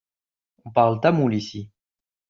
On parle tamoul ici.